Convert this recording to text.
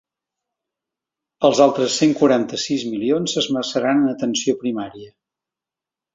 Els altres cent quaranta-sis milions s’esmerçaran en atenció primària.